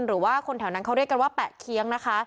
หรือว่าคนแถวนั้นเขาเรียกกันว่าแปะเคี้ยงนะคะ